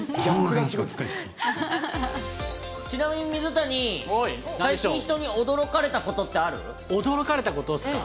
っちなみに水谷、最近人に驚か驚かれたことですか？